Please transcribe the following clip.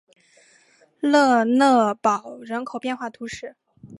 勒讷堡人口变化图示